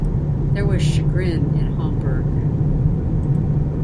There was chagrin in Hamburg.